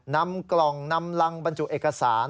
นำกล่องนำรังบรรจุเอกสาร